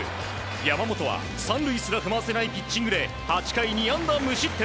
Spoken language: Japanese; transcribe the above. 山本は３塁すら踏ませないピッチングで８回２安打無失点。